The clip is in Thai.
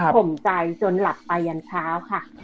ผมใจจนหลับไปยันเช้าค่ะ